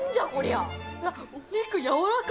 あっ、お肉、やわらか！